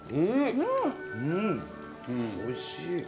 おいしい！